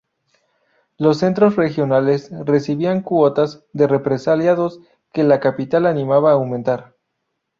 Los centros regionales recibían cuotas de represaliados que la capital animaba a aumentar.